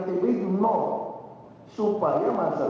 saya juga doang berhak